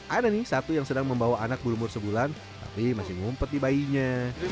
ada nih satu yang sedang membawa anak berumur sebulan tapi masih ngumpet di bayinya